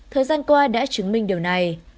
thời gian qua đã chứng minh điều này